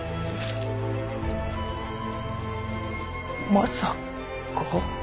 ままさか。